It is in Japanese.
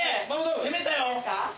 攻めたよ。